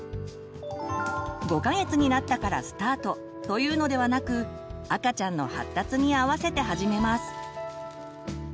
５か月になったからスタートというのではなく赤ちゃんの発達にあわせて始めます。